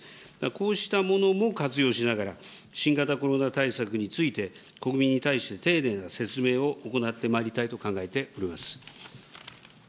こうしたものも活用しながら、新型コロナ対策について、国民に対して丁寧な説明を行ってまいりたいと考えております。